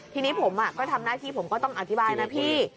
ทีนี้ผมก็ทำหน้าที่ผมก็ต้องอธิบายนะพี่